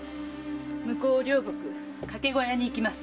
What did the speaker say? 向両国掛け小屋に行きます。